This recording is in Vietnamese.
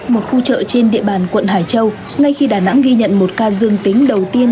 một khu chợ trên địa bàn quận hải châu ngay khi đà nẵng ghi nhận một ca dương tính đầu tiên